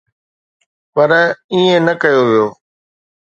پر ائين نه ڪيو ويو.